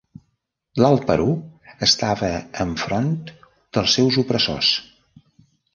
L'Alt Perú estava enfront dels seus opressors.